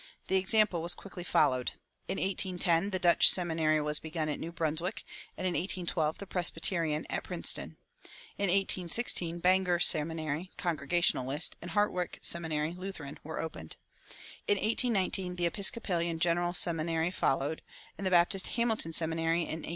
The example was quickly followed. In 1810 the Dutch seminary was begun at New Brunswick, and in 1812 the Presbyterian at Princeton. In 1816 Bangor Seminary (Congregationalist) and Hartwick Seminary (Lutheran) were opened. In 1819 the Episcopalian "General Seminary" followed, and the Baptist "Hamilton Seminary" in 1820.